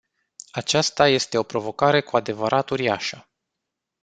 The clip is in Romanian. Aceasta este o provocare cu adevărat uriașă.